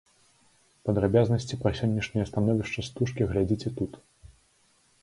Падрабязнасці пра сённяшняе становішча стужкі глядзіце тут.